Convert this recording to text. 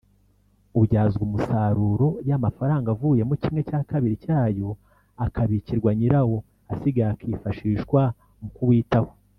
ubyazwa umusaruro ya mafanga avuyemo kimwe cya kabiri cyayo akabikirwa nyirawo asigaye akifashishwa mu kuwitaho